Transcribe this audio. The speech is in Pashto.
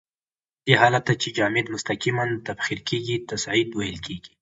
دې حالت ته چې جامد مستقیماً تبخیر کیږي تصعید ویل کیږي.